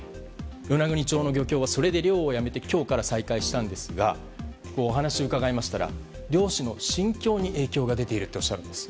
与那国町の漁協は漁をやめて今日、再開したんですがお話を伺いましたら漁師の心境に影響が出ているというんです。